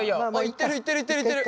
いってるいってるいってるいってる。